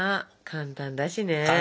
簡単だし。